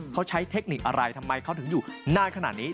เขาใช้เทคนิคอะไรทำไมเขาถึงอยู่นานขนาดนี้